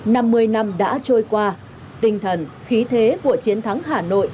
năm mươi năm đã trôi qua tinh thần khí thế của chiến thắng hà nội